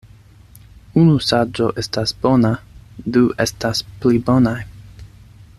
Unu saĝo estas bona, du estas pli bonaj.